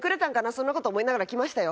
そんな事思いながら来ましたよ。